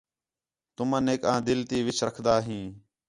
تُمنیک آں دِل تی وِچ رکھدا ہیں